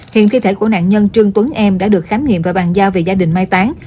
hiện thi thể của nạn nhân trương tuấn em đã được khám nghiệm và bàn giao về gia đình mai tán